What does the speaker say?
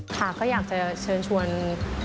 ค่ะก็อยากจะเชิญชวน